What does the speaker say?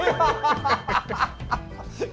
ハハハハッ！